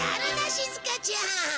しずかちゃん。